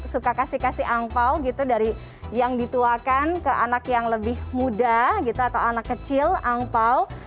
suka kasih kasih angpau gitu dari yang dituakan ke anak yang lebih muda gitu atau anak kecil angpao